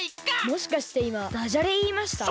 もしかしていまダジャレいいました？